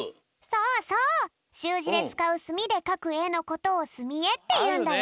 そうそうしゅうじでつかうすみでかくえのことをすみえっていうんだよ。